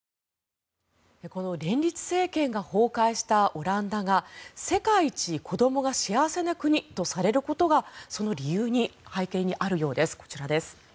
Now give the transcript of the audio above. この連立政権が崩壊したオランダが世界一子どもが幸せな国とされることがその背景にあるようですこちらです。